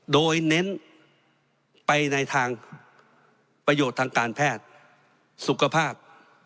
โดยเน้นไปในทางประโยชน์ทางการแพทย์สุขภาพ